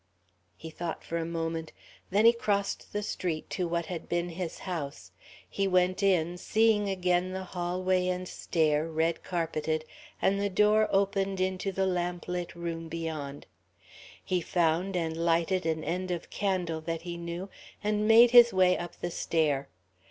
He thought for a moment. Then he crossed the street to what had been his house. He went in, seeing again the hallway and stair, red carpeted, and the door opened into the lamplit room beyond. He found and lighted an end of candle that he knew, and made his way up the stair.